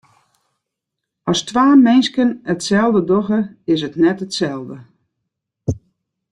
As twa minsken itselde dogge, is it net itselde.